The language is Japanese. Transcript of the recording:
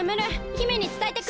姫につたえてくる。